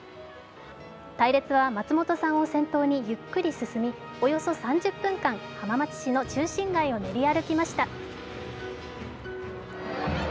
隊列は松本さんを先頭にゆっくり進みおよそ３０分間、浜松市の中心街を練り歩きました。